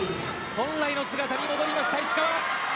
本来の姿に戻りました、石川。